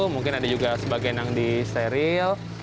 mungkin ada juga sebagian yang disteril